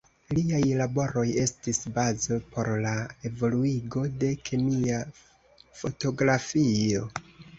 Liaj laboroj estis bazo por la evoluigo de kemia fotografio.